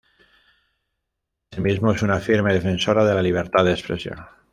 Asimismo es una firme defensora de la libertad de expresión.